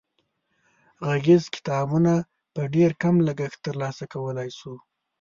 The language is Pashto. غږیز کتابونه په ډېر کم لګښت تر لاسه کولای شو.